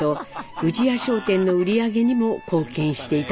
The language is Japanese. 富士屋商店の売り上げにも貢献していたのです。